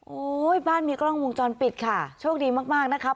โอ้ยบ้านมีกล้องมุมจรปิดค่ะโชคดีมากนะคะ